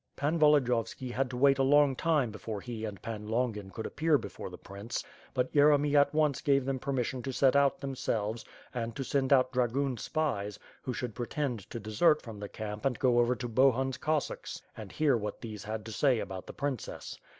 Pan Volodiyovski had to wait a long time before he and Pan Ijongin could appear before the prince, but Yeremy at once gave them permission to set out themselves, and to send out dragoon spies, who should pretend to desert from the camp and go over to Bohun's Cossacks and hear what these had to say about the princess.